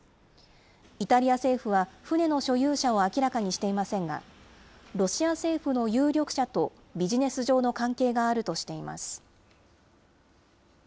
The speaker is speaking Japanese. イタリア政府は船の所有者を明らかにしていませんが、ロシア政府の有力者とビジネス上の関係があるとしています。